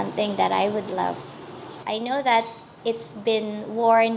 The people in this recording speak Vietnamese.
nhưng áo áo việt nam